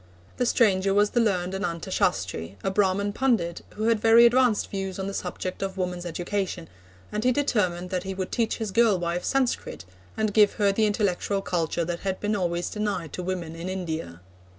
The stranger was the learned Ananta Shastri, a Brahman pundit, who had very advanced views on the subject of woman's education, and he determined that he would teach his girl wife Sanskrit, and give her the intellectual culture that had been always denied to women in India.